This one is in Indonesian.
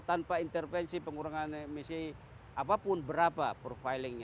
tanpa intervensi pengurangan emisi apapun berapa profilingnya